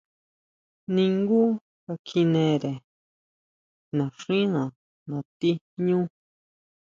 Ningú ka kjinere naxína nati jñú.